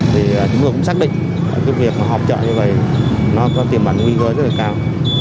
chúng tôi cũng xác định việc họp trợ như vậy nó có tiềm ẩn nguy cơ rất là cao